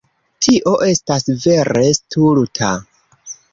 Tio estas vere stulta.